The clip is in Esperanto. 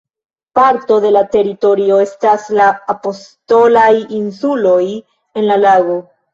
Parto de la teritorio estas la "Apostolaj Insuloj" en la lago.